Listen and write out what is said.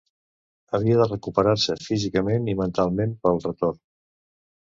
Havia de recuperar-se físicament i mentalment pel retorn.